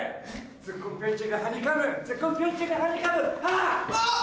あっ！